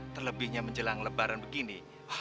terlebihnya menjelang lebaran begini